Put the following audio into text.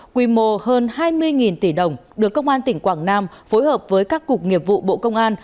quy mô hơn hai mươi tỷ đồng được công an tỉnh quảng nam phối hợp với các cục nghiệp vụ bộ công an